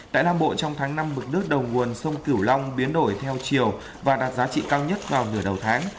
tại nam bộ trong tháng năm mực nước đầu nguồn sông cửu long biến đổi theo chiều và đạt giá trị cao nhất vào nửa đầu tháng